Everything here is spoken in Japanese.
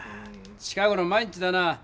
近ごろ毎日だな。